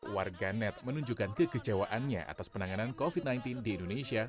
warga net menunjukkan kekecewaannya atas penanganan covid sembilan belas di indonesia